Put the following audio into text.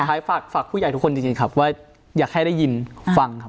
สุดท้ายฝากผู้ใหญ่ทุกคนจริงว่าอยากให้ได้ยินฟัง